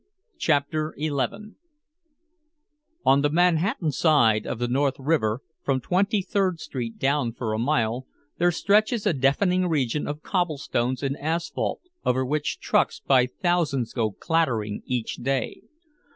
CHAPTER XI On the Manhattan side of the North River, from Twenty third Street down for a mile there stretches a deafening region of cobblestones and asphalt over which trucks by thousands go clattering each day.